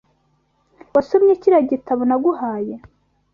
Wasomye kiriya gitabo naguhaye?